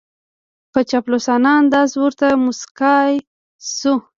په چاپلوسانه انداز ورته موسکای شو